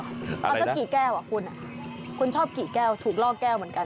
เอาสักกี่แก้วอ่ะคุณคุณชอบกี่แก้วถูกล่อแก้วเหมือนกัน